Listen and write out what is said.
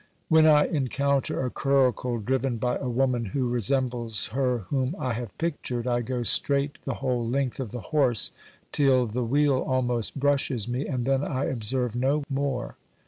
When I encounter a curricle driven by a woman who resembles her whom I have pictured, I go straight the whole length of the horse till the wheel almost brushes me, and then I observe no more.